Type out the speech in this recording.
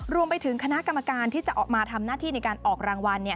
รวมไปถึงคณะกรรมการที่จะออกมาทำหน้าที่ในการออกรางวัล